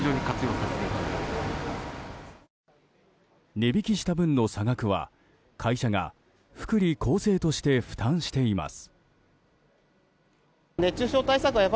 値引きした分の差額は会社が福利厚生として負担しています。